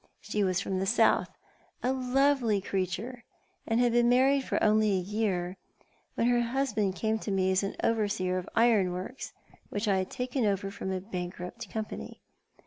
She was from the South — a lovely creature, and had been married only a year when her husband came to mc as over seer of iron works which I had taken over from a bankrupt company.